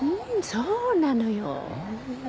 そうなのよ。